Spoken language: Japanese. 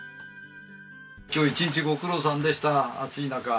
今日一日ご苦労さんでした暑い中。